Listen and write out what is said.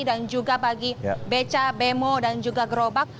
dan juga bagi beca bemo dan juga gerobak